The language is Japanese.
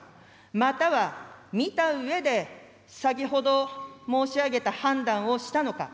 または、見たうえで、先ほど申し上げた判断をしたのか。